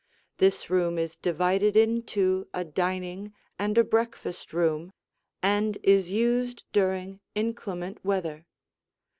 This room is divided into a dining and a breakfast room and is used during inclement weather.